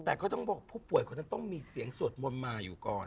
แต่ก็ต้องบอกผู้ป่วยคนนั้นต้องมีเสียงสวดมนต์มาอยู่ก่อน